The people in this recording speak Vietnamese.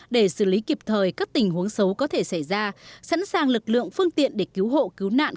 để xử lý kịp thời các tình huống xấu có thể xảy ra sẵn sàng lực lượng phương tiện để cứu hộ cứu nạn